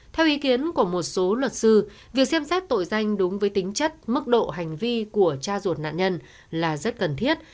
theo ý kiến của một số luật sư việc xem xét tội danh đúng với tính chất mức độ hành vi của cha ruột nạn nhân là rất cần thiết